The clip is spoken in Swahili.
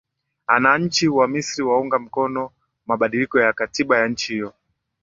ananchi wa misri waunga mkono mabadiliko ya katiba ya nchi hiyo